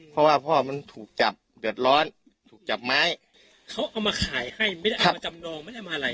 เพราะว่าพ่อมันถูกจับเดือดร้อนถูกจับไม้เขาเอามาขายให้ไม่ได้เอามาจำนองไม่ได้มาอะไร